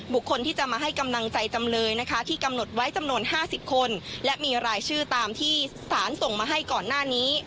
คนที่จะมาให้กำลังใจจำเลยนะคะที่กำหนดไว้จำนวน๕๐คนและมีรายชื่อตามที่สารส่งมาให้ก่อนหน้านี้